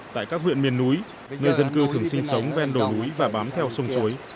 tại các huyện miền núi nơi dân cư thường sinh sống ven đồi núi và bám theo sông suối